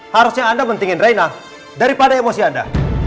harusnya anda mentingin reina daripada emosi anda